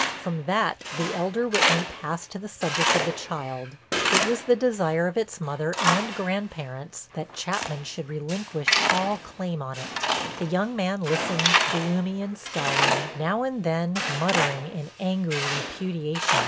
From that the elder Whitney passed to the subject of the child; it was the desire of its mother and grandparents that Chapman should relinquish all claim on it. The young man listened, gloomy and scowling, now and then muttering in angry repudiation.